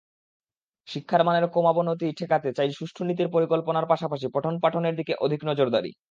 শিক্ষার মানের ক্রমাবনতি ঠেকাতে চাই সুষ্ঠু নীতি-পরিকল্পনার পাশাপাশি পঠন-পাঠনের দিকে অধিক নজরদারি।